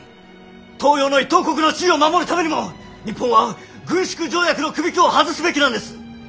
東洋の一等国の地位を守るためにも日本は軍縮条約のくびきを外すべきなんです！